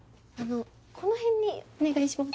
この辺にお願いします。